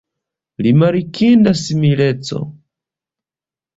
Rimarkinda simileco!